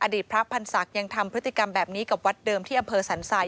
พระพันธ์ศักดิ์ยังทำพฤติกรรมแบบนี้กับวัดเดิมที่อำเภอสันทราย